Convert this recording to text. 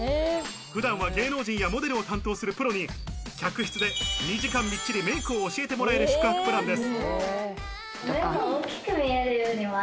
普段は芸能人やモデルを担当するプロに客室で２時間みっちりメイクを教えてもらえる宿泊プランです。